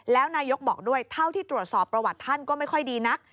แล้วนายกบอกด้วยเท่าที่ตรวจสอบประวัติท่านก็ไม่ค่อยดีนัก